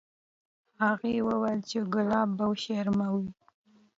هغې وویل چې ګلاب به وشرموي.